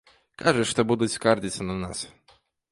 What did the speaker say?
Кажуць, што будуць скардзіцца на нас.